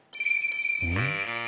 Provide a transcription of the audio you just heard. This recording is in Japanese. うん？